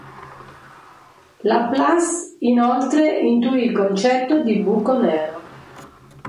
Laplace inoltre intuì il concetto di buco nero.